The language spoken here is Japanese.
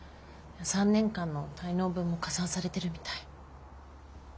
３年間の滞納分も加算されてるみたい。